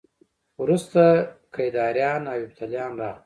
وروسته کیداریان او یفتلیان راغلل